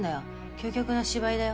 究極の芝居だよ。